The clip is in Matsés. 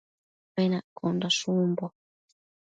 Cuenaccondash umbo